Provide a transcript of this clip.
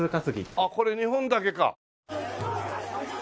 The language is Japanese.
あっこれ２本だけか。